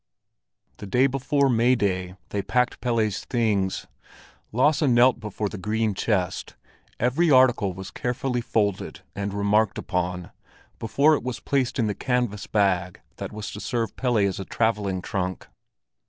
The day before May Day they packed Pelle's things. Lasse knelt before the green chest; every article was carefully folded and remarked upon, before it was placed in the canvas bag that was to serve Pelle as a traveling trunk.